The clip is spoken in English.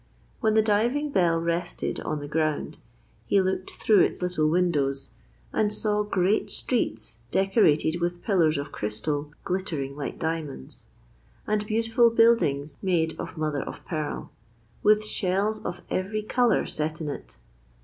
When the diving bell rested on the ground he looked through its little windows and saw great streets decorated with pillars of crystal glittering like diamonds, and beautiful buildings made of mother of pearl, with shells of every colour set in it.